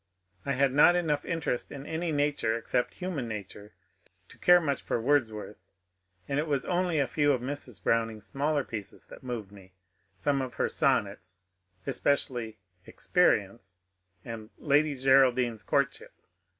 I had not enough interest in any nature except human nature to care much for Wordsworth, and it was only a few of Mrs. Browning's smaller pieces that moved me, — some of her sonnets (especially Experience ") and " Lady Geraldine's Courtship."